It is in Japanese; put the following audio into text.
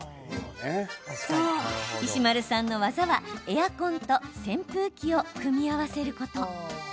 そう、石丸さんの技はエアコンと扇風機を組み合わせること。